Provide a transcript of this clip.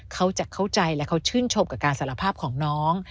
เขาจะเข้าใจและเขาชื่นชมกับการสารภาพของน้อง